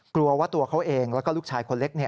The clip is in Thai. กลัวว่าตัวเขาเองแล้วก็ลูกชายคนเล็ก